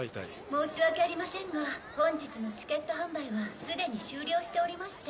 申し訳ありませんが本日のチケット販売はすでに終了しておりまして。